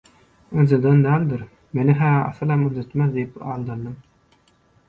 ynjydýan däldir, mеni-hä asylam ynjytmaz diýip aldandym.